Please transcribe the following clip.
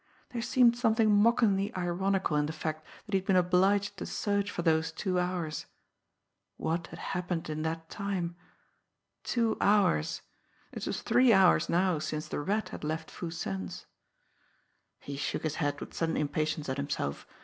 There seemed something mockingly ironical in the fact that he had been obliged to search for those two hours! What had happened in that time? Two hours! It was three hours now since the Rat had left Foo Sen's! He shook his head with sudden impatience at himself.